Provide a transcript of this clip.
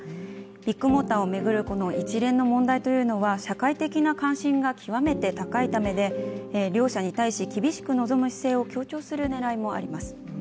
ビッグモーターを巡る一連の問題というのは社会的な関心が極めて高いためで両社に対し厳しく臨む姿勢を強調する狙いもあります。